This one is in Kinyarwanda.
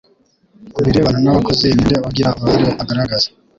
Kubirebana n abakozi ni nde ugira uruhare agaragaza?